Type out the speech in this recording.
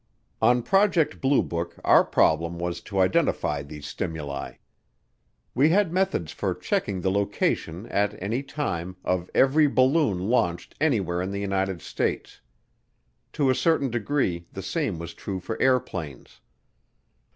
On Project Blue Book our problem was to identify these stimuli. We had methods for checking the location, at any time, of every balloon launched anywhere in the United States. To a certain degree the same was true for airplanes.